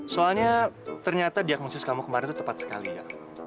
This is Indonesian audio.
soalnya ternyata diagnosis kamu kemarin itu tepat sekali ya